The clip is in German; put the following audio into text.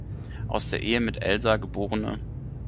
Aus der Ehe mit Elsa, geb.